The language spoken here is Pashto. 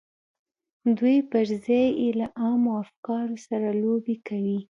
دوی پر ځای یې له عامو افکارو سره لوبې کوي